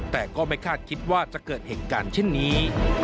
แต่ก็ไม่คาดคิดว่าจะเกิดเหตุการณ์เช่นนี้